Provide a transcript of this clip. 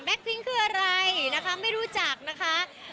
พิ้งคืออะไรนะคะไม่รู้จักนะคะ